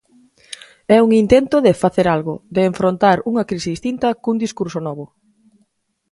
É un intento de facer algo, de enfrontar unha crise distinta cun discurso novo.